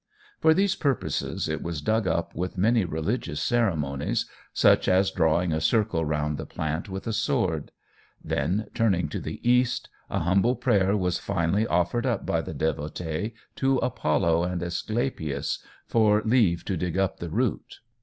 For these purposes it was dug up with many religious ceremonies such as drawing a circle round the plant with a sword; then, turning to the east, a humble prayer was finally offered up by the devotee, to Apollo and Aesculapius for leave to dig up the root.